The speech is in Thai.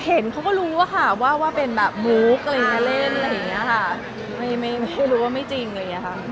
อ่อเห็นพวกเขาก็รู้ค่ะว่าว่ามุกเล่นอะไรอย่างนี้ค่ะไม่รู้ว่าไม่จริงเลยค่ะ